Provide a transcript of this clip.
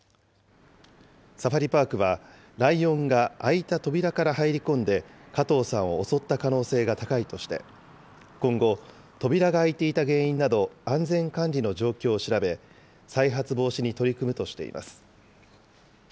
サファリパークは、ライオンが開いた扉から入り込んで、加藤さんを襲った可能性が高いとして、今後、扉が開いていた原因など、安全管理の状況を調べ、再発防止に取り組むとしています。